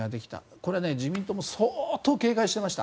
これは自民党も相当警戒していました。